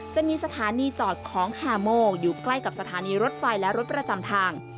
จะมีสถานีจอดของฮาโมอยู่ใกล้กับสถานีรถไฟและรถประจำทาง